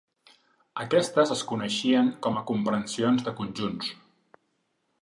Aquestes es coneixien com a comprensions de conjunts.